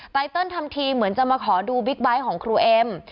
ไตเติลทำทีเหมือนจะมาขอดูบิ๊กไบท์ของครูเอ็ม